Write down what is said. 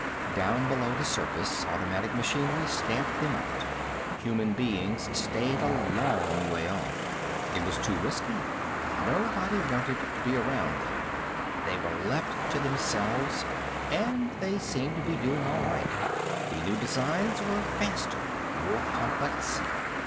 Down below the surface automatic machinery stamped them out. Human beings stayed a long way off. It was too risky; nobody wanted to be around them. They were left to themselves. And they seemed to be doing all right. The new designs were faster, more complex.